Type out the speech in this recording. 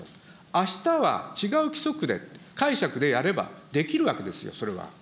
あしたは違う規則で、解釈でやればできるわけですよ、それは。